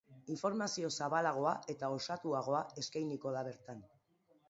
Informazio zabalagoa eta osatuagoa eskainiko da bertan.